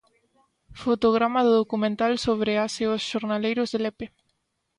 Fotograma do documental sobre as e os xornaleiros de Lepe.